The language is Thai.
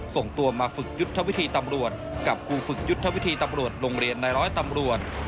ส่งตัวมาฝึกยุทธวิธีตำรวจกับครูฝึกยุทธวิธีตำรวจโรงเรียนในร้อยตำรวจ